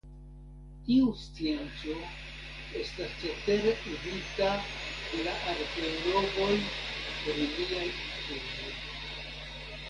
Tiu scienco estas cetere uzita de la arkeologoj por iliaj studoj.